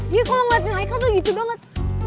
dia kalau ngeliatin haikal tuh gitu banget